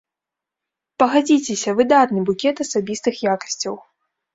Пагадзіцеся, выдатны букет асабістых якасцяў.